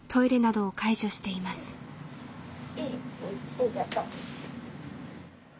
ありがとう。